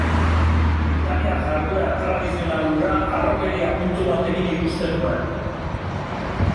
Britainiar jarduera tradizional hura harrokeria puntu batekin ikusten nuen.